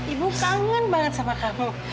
ibu kangen banget sama kamu